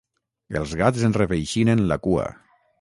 Els gats enreveixinen la cua.